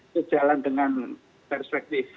sejalan dengan perspektif